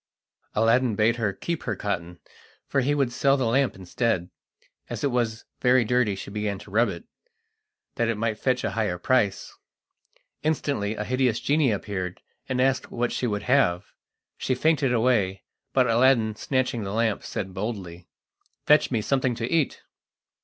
Aladdin bade her keep her cotton, for he would sell the lamp instead. As it was very dirty she began to rub it, that it might fetch a higher price. Instantly a hideous genie appeared, and asked what she would have. She fainted away, but Aladdin, snatching the lamp, said boldly: "Fetch me something to eat!"